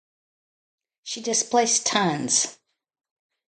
She displaced tons.